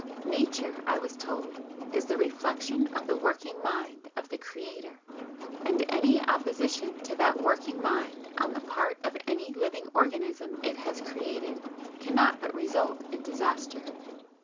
Nature, I was told, is the reflection of the working mind of the Creator and any opposition to that working mind on the part of any living organism It has created cannot but result in disaster.